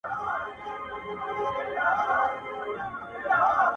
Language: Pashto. له عمله مخکې خبرې مه کوه